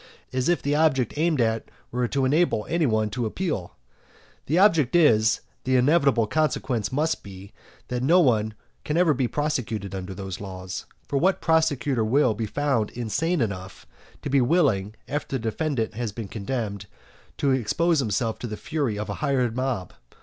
as if the object aimed at were to enable any one to appeal? The object is, the inevitable consequence must be, that no one can ever be prosecuted under those laws. For what prosecutor will be found insane enough to be willing, after the defendant has been condemned, to expose himself to the fury of a hired mob?